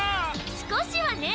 少しはね！